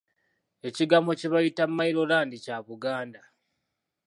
Ekigambo kye bayita Mailo land kya Baganda.